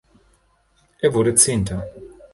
Er wurde Zehnter.